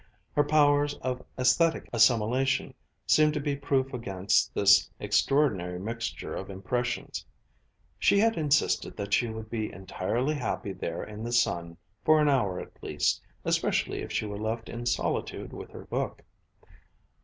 Her powers of aesthetic assimilation seemed to be proof against this extraordinary mixture of impressions. She had insisted that she would be entirely happy there in the sun, for an hour at least, especially if she were left in solitude with her book.